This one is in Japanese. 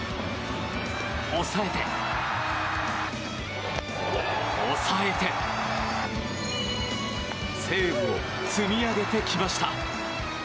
抑えて、抑えてセーブを積み上げてきました。